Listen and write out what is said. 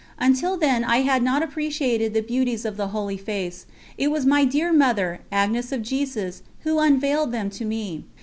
Until then I had not appreciated the beauties of the Holy Face; it was my dear Mother, Agnes of Jesus, who unveiled them to me.